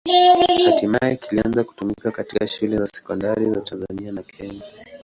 Hatimaye kilianza kutumika katika shule za sekondari za Tanzania na Kenya.